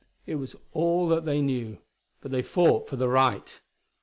It was all that they knew. But they fought for the right.